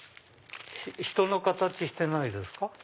人の形してないですか？